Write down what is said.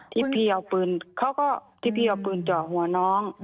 ที่เราเอาปืนเจาะหัววาง